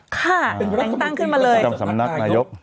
ข้างตั้งขึ้นมาเลยสำนักนายก